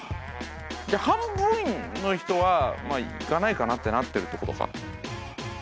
じゃあ半分の人はまあ行かないかなってなってるってことか。